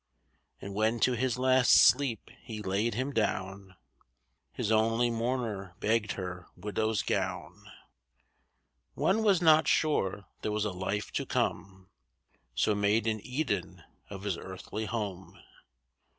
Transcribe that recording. And when to his last sleep he laid him down, His only mourner begged her widow's gown. One was not sure there was a life to come, So made an Eden of his earthly home.